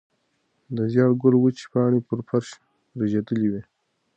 د زېړ ګل وچې پاڼې پر فرش رژېدلې وې.